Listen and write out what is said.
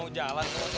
nmi berkantukan itu